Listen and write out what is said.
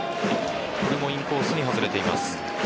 これもインコースに外れています。